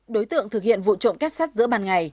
đối tượng thực hiện vụ trộm kết sắt giữa ban ngày